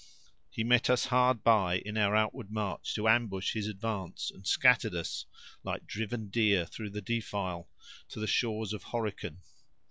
"He met us hard by, in our outward march to ambush his advance, and scattered us, like driven deer, through the defile, to the shores of Horican.